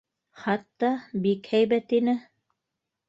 Хатта... бик һәйбәт ине.